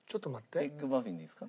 エッグマフィンでいいですか？